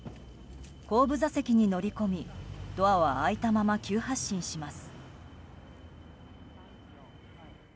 後部座席に乗り込みドアは開いたまま急発進します。